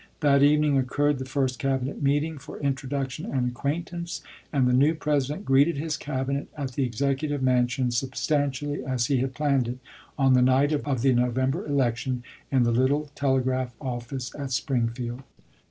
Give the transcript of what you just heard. That evening occurred the first Cabinet meeting, for introduction and acquaintance ; and the new President greeted his Cabinet at the Executive Mansion substantially as he had planned it, on the night of the November election, in the little telegraph office at Springfield.